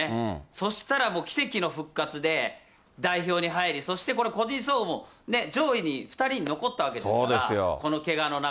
そうしたらもう奇跡の復活で、代表に入り、そして個人総合、上位に２人に残ったわけですから、このけがの中。